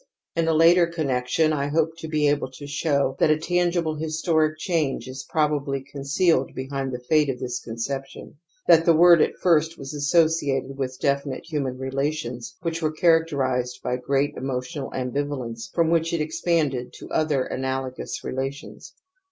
In a later connection I hope to be able to show that a tangible histoiic change is probably concealed behind the fate of this conception ; that the word at first was asso ciated with definite hvmian relations which were characterized by great emotional ambivalence from which it expanded to other analogous relations.